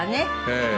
ええ。